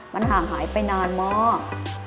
มันห่างหายไปนานมาก